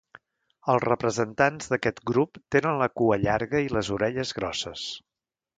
Els representants d'aquest grup tenen la cua llarga i les orelles grosses.